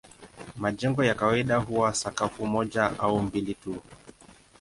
Majengo ya kawaida huwa sakafu moja au mbili tu.